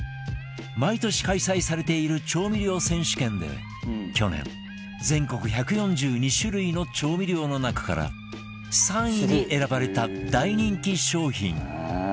毎年開催されている調味料選手権で去年全国１４２種類の調味料の中から３位に選ばれた大人気商品